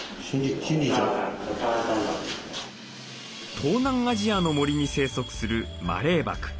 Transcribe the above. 東南アジアの森に生息するマレーバク。